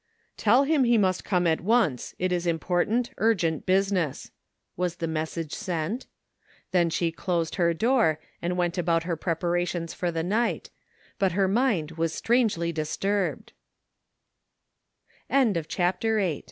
" Tell him he must come at once, it is important, urgent business," was the message sent. Then she closed her door and went about her preparations for the night, but her mind was str